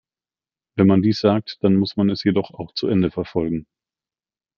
Wenn man dies sagt, dann muss man es jedoch auch zu Ende verfolgen.